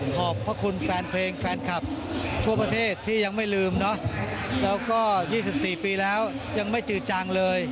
ขอบพระคุณแฟนเพลงแฟนคลับทั่วประเทศที่ยังไม่ลืมเนอะแล้วก็๒๔ปีแล้วยังไม่จือจังเลย